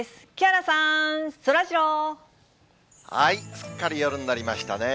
すっかり夜になりましたね。